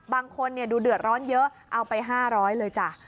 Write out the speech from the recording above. บางคนดูเดือดร้อนเยอะเอาไป๕๐๐เลยจ้ะ